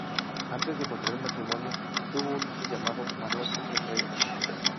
Antes de contraer matrimonio tuvo un hijo llamado Manuel Jesús Reyes.